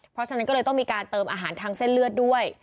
เพราะฉะนั้นก็เลยต้องมีการเติมอาหารทางเส้นเลือดด้วย